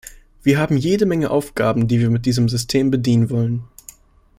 Wir haben jede Menge Aufgaben, die wir mit diesem System bedienen wollen.